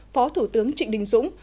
phó thủ tướng trịnh đình dũng